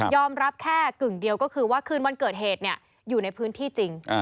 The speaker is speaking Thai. รับแค่กึ่งเดียวก็คือว่าคืนวันเกิดเหตุอยู่ในพื้นที่จริง